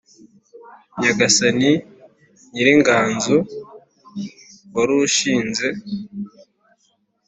Nyagasani nyiringanzo warushinze